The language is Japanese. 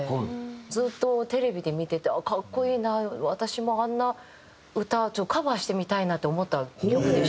ずっとテレビで見てて格好いいな私もあんな歌カバーしてみたいなって思った曲でした。